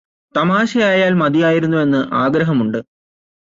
തമാശയായാൽ മതിയായിരുന്നുയെന്ന് ആഗ്രഹമുണ്ട്